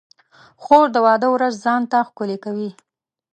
خور د واده ورځ ځان ته ښکلې کوي.